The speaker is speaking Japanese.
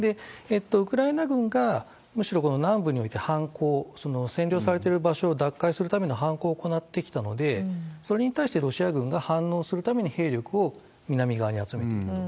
ウクライナ軍がむしろこの南部において反攻、占領されてる場所を奪還するための犯行を行ってきたので、それに対してロシア軍が反応するために兵力を南側に集めていると。